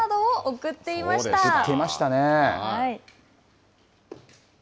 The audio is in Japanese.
贈っていましたね。